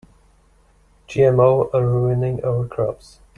GMO are ruining our crops.